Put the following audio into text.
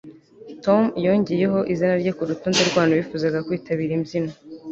tom yongeyeho izina rye kurutonde rwabantu bifuzaga kwitabira imbyino